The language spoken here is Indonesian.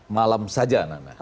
malam saja nana